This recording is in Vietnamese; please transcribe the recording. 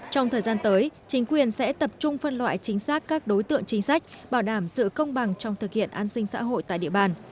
trong thời gian tới chính quyền sẽ tập trung phân loại chính xác các đối tượng chính sách bảo đảm sự công bằng trong thực hiện an sinh xã hội tại địa bàn